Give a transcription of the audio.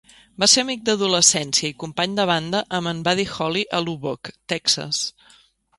Va ser amic d'adolescència i company de banda amb en Buddy Holly a Lubbock, Texas.